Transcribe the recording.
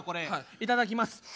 いただきます。